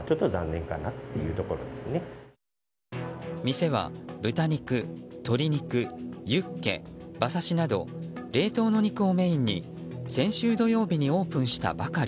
店は豚肉、鶏肉、ユッケ馬刺しなど冷凍の肉をメインに先週土曜日にオープンしたばかり。